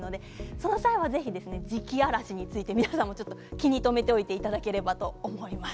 その際は、ぜひ磁気嵐について気に留めておいていただければと思います。